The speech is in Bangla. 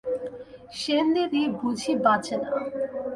সেনদিদি বুঝি বাঁচে না।